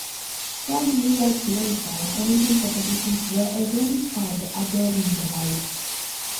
Twelve years later, Olympic competitions were again held at the Olympiahalle.